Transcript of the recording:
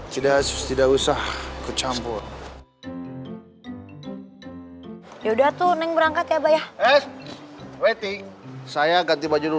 tidak tidak usah kecampur ya udah tuh neng berangkat ya bayar es wedding saya ganti baju